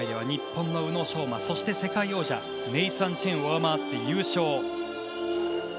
日本の宇野昌磨、そして世界王者ネイサン・チェンを上回って優勝。